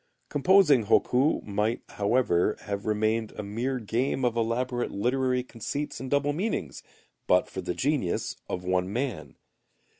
Composing hokku might, however, have remained a mere game of elaborate literary conceits and double meanings, but for the genius of one man.